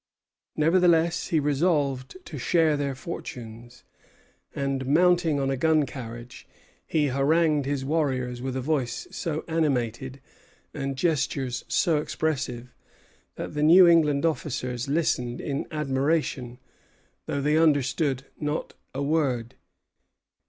Nevertheless, he resolved to share their fortunes; and mounting on a gun carriage, he harangued his warriors with a voice so animated and gestures so expressive, that the New England officers listened in admiration, though they understood not a word.